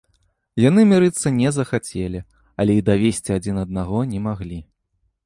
Яны мірыцца не захацелі, але і давесці адзін аднаго не маглі.